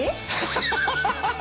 ハハハハハ！